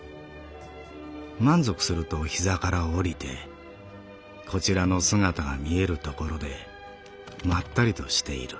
満足すると膝から降りてこちらの姿が見えるところでまったりとしている」。